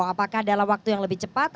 apakah dalam waktu yang lebih cepat